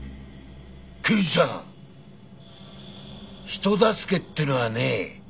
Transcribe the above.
刑事さん人助けってのはね